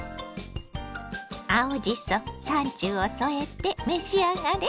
青じそサンチュを添えて召し上がれ。